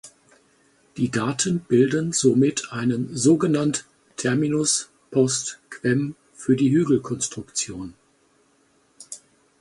Die Daten bilden somit einen sogenannt "terminus post quem" für die Hügelkonstruktion.